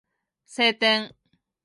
晴天